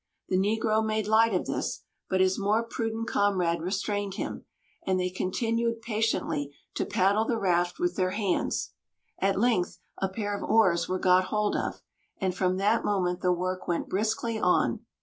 The negro made light of this, but his more prudent comrade restrained him; and they continued patiently to paddle the raft with their hands. At length a pair of oars were got hold of; and from that moment the work went briskly on.